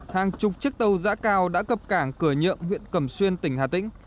hàng chục chiếc tàu giã cào đã cập cảng cửa nhượng huyện cầm xuyên tỉnh hà tĩnh